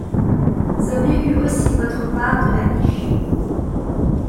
Vous avez eu aussi votre part de la niche.